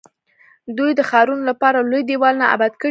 دوی د ښارونو لپاره لوی دیوالونه اباد کړي وو.